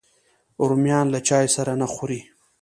رومیان له چای سره نه خوري